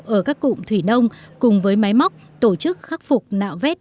ở các cụm thủy nông cùng với máy móc tổ chức khắc phục nạo vét